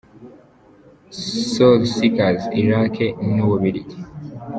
Soul Seekers - Iraq n’u Bubiligi .